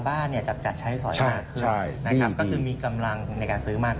บ้านเนี่ยจับจัดใช้สอยมากขึ้นนะครับก็คือมีกำลังในการซื้อมากขึ้น